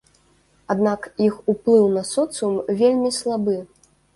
Аднак іх уплыў на соцыум вельмі слабы.